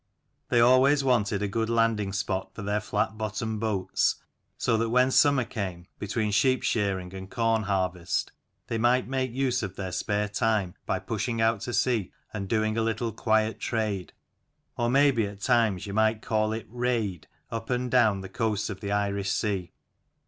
They always wanted a good landing spot for their flat bottomed boats, so that when sum mer came, between sheep shearing and corn harvest, they might make use of their spare time by pushing out to sea and doing a little quiet trade, or may be at times you might call it "raid," up and down the coasts of the Irish Sea.